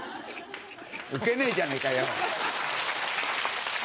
ウケねえじゃねぇかよ。